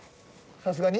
さすがに？